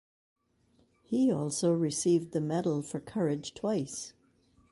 He also received the medal "For Courage" twice.